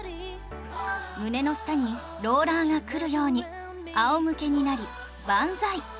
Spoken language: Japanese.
胸の下にローラーがくるように仰向けになりバンザイ